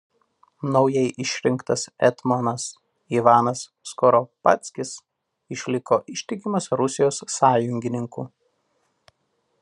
Naujai išrinktas etmonas Ivanas Skoropadskis liko ištikimas Rusijos sąjungininku.